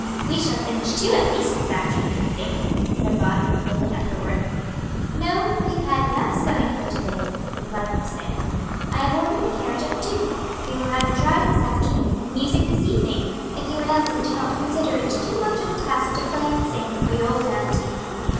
"We shall finish two at least this afternoon, I think," said Lottie, folding up her work. "No, we've had sewing enough for to day," replied Miss Stanhope. "I have ordered the carriage at two. We will have a drive this afternoon, and music this evening; if you and Elsie do not consider it too much of a task to play and sing for your old auntie."